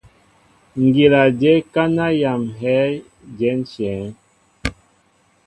Ŋgíla dyɛ kana yam heé diɛnshɛŋ.